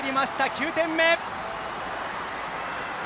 ９点目！